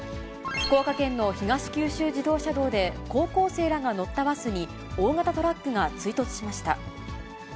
福岡県の東九州自動車道で高校生らが乗ったバスに、大型トラックが追突しました。